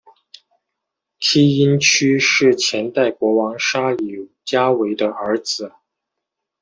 梯因屈是前代国王沙里伽维的儿子。